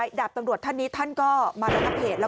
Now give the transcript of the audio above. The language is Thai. กลุ่มหนึ่งก็คือ